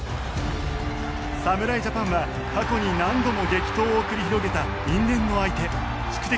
侍ジャパンは過去に何度も激闘を繰り広げた因縁の相手宿敵